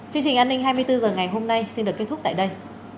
chương trình hai mươi bốn h ngày hôm nay xin được kết thúc tại đây